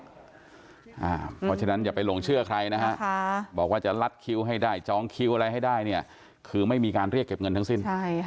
เพราะฉะนั้นอย่าไปหลงเชื่อใครนะฮะบอกว่าจะลัดคิวให้ได้จองคิวอะไรให้ได้เนี่ยคือไม่มีการเรียกเก็บเงินทั้งสิ้น